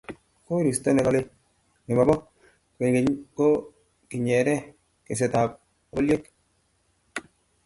koristo nelolei nemobo kwekeny ko kinyere kesetab appolyek